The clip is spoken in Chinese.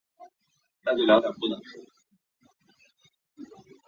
最后被欲支配人类世界的恶魔反噬杀死。